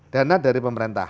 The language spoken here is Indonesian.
dana dari pemerintah